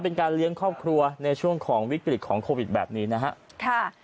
เป็นการเลี้ยงครอบครัวในช่วงของวิกฤตของโควิดแบบนี้นะฮะค่ะ